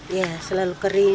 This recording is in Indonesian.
iya selalu kering